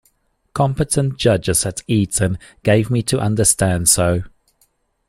Competent judges at Eton gave me to understand so.